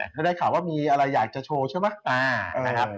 ถ้าได้ข่าวว่ามีอะไรอยากจะโชว์ใช่ไหมนะครับ